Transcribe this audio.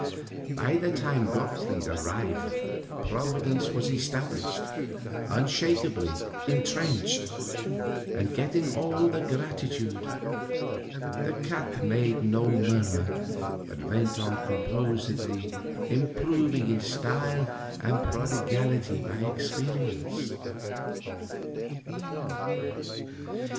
By the time Gottfried arrived Providence was established, unshakably intrenched, and getting all the gratitude. The cat made no murmur, but went on composedly improving in style and prodigality by experience.